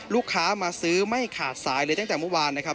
ลูกค้ามาซื้อไม่ขาดสายเลยตั้งแต่เมื่อวานนะครับ